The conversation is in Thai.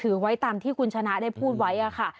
ไว้ตามที่คุณชนะได้พูดไว้ค่ะ